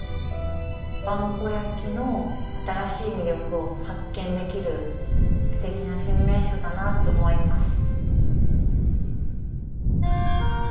萬古焼の新しい魅力を発見できるすてきな新名所だなと思います。